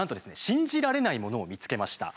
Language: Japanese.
信じられないものを見つけました。